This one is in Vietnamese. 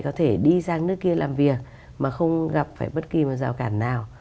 có thể đi sang nước kia làm việc mà không gặp phải bất kỳ một rào cản nào